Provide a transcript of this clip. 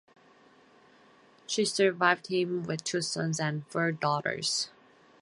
She survived him with two sons and four daughters.